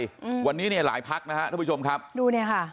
อืมวันนี้เนี่ยหลายพักนะฮะท่านผู้ชมครับดูเนี้ยค่ะ